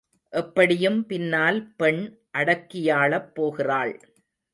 எப்படியும் பின்னால் பெண் அடக்கியாளப் போகிறாள்.